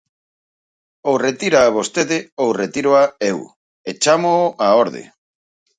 Ou retíraa vostede ou retíroa eu, e chámoo á orde.